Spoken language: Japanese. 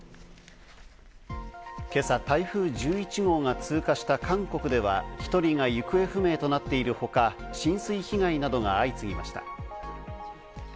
今朝、台風１１号が通過した韓国では、１人が行方不明となっているほか、浸水被害などが相次ぎました。